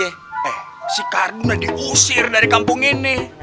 eh si kardu udah diusir dari kampung ini